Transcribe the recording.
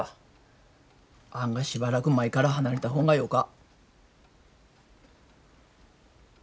あがしばらく舞から離れた方がよか。